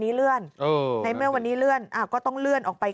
เลื่อนในเมื่อวันนี้เลื่อนก็ต้องเลื่อนออกไป